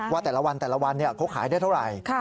ว่าแต่ละวันเขาขายได้เท่าไหร่